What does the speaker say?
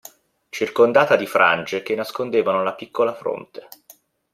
Circondata di frangie che nascondevano la piccola fronte.